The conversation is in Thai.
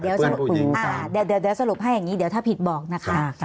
เดี๋ยวสรุปให้อย่างนี้เดี๋ยวถ้าผิดบอกนะคะ